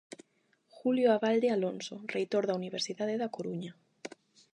Julio Abalde Alonso, reitor da Universidade da Coruña.